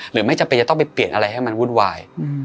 ไม่จำเป็นจะต้องไปเปลี่ยนอะไรให้มันวุ่นวาย